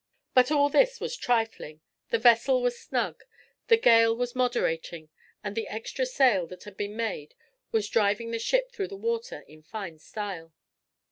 But all this was trifling; the vessel was snug, the gale was moderating, and the extra sail that had been made was driving the ship through the water in fine style.